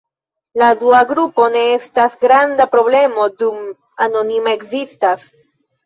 La dua grupo ne estas granda problemo, dum anonima ekzistas.